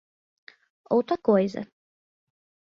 Outra coisa.